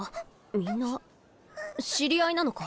みんな知り合いなのか？